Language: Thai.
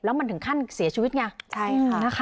แล้วมันถึงขั้นเสียชีวิตไง